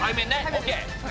ＯＫ。